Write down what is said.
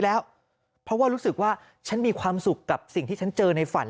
แล้วเพราะว่ารู้สึกว่าฉันมีความสุขกับสิ่งที่ฉันเจอในฝัน